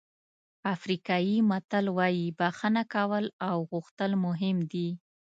افریقایي متل وایي بښنه کول او غوښتل مهم دي.